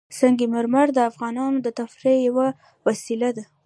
سنگ مرمر د افغانانو د تفریح یوه وسیله ده.